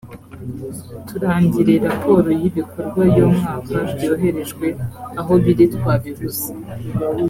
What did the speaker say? turangire raporo y’ibikorwa y’umwaka byoherejwe aho biri twabibuze